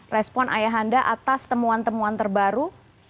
respon ayah anda atas temuan temuan terbaru